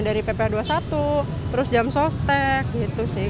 dari pp dua puluh satu terus jam sostek gitu sih